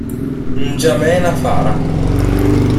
N'Djamena Fara